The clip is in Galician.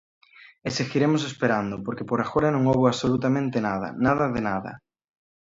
E seguiremos esperando, porque por agora non houbo absolutamente nada, nada de nada.